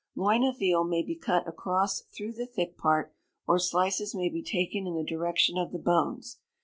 Loin of veal may be cut across through the thick part; or slices may be taken in the direction of the bones.